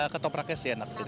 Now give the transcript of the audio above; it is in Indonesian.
ketopraknya sih enak sih